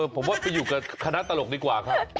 ผมว่าไปอยู่กับคณะตลกดีกว่าครับ